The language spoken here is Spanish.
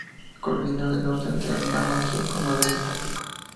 Colinda al norte con Aldama, al sur con Madero y Tampico.